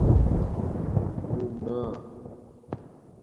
رُݣنا